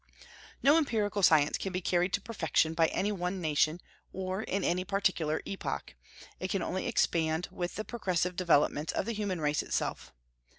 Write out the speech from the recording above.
No empirical science can be carried to perfection by any one nation or in any particular epoch; it can only expand with the progressive developments of the human race itself.